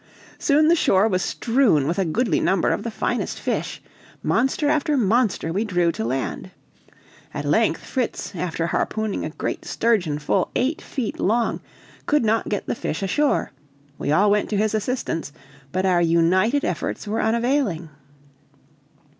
Soon the shore was strewn with a goodly number of the finest fish monster after monster we drew to land. At length Fritz, after harpooning a great sturgeon full eight feet long, could not get the fish ashore; we all went to his assistance, but our united efforts were unavailing.